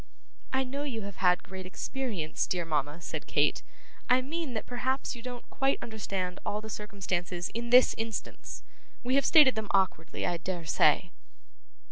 'I know you have had great experience, dear mama,' said Kate; 'I mean that perhaps you don't quite understand all the circumstances in this instance. We have stated them awkwardly, I dare say.